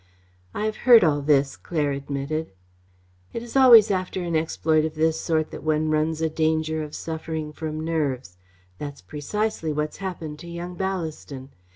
"I have heard all this," Claire admitted. "It is always after an exploit of this sort that one runs a danger of suffering from nerves. That's precisely what's happened to young Ballaston.